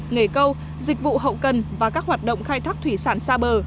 nghề câu dịch vụ hậu cần và các hoạt động khai thác thủy sản xa bờ